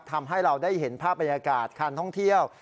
ทำให้เราได้เห็นภาพบรรยากาศการท่องเที่ยว